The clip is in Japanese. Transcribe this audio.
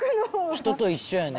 「人と一緒やね」